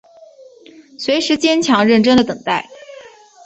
随时坚强认真的等待